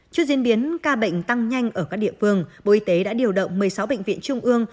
trước diễn biến ca bệnh tăng nhanh ở các địa phương bộ y tế đã điều động một mươi sáu bệnh viện trung ương